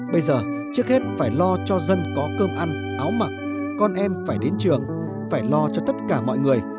bây giờ trước hết phải lo cho dân có cơm ăn áo mặc con em phải đến trường phải lo cho tất cả mọi người